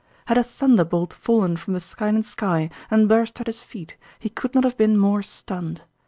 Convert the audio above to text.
Had a thunderbolt fallen from the silent sky and burst at his feet he could not have been more stunned.